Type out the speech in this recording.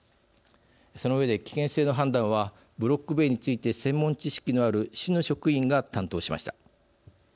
その上で危険性の判断はブロック塀について専門知識のある市の職員が担当しました。